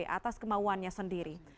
atas kemauannya sendiri